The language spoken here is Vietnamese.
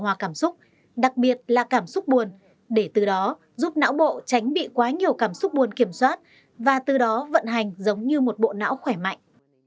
đặc biệt là việc điều hòa cảm xúc đặc biệt là cảm xúc buồn để từ đó giúp não bộ tránh bị quá nhiều cảm xúc buồn kiểm soát và từ đó vận hành giống như một bộ não khỏe mạnh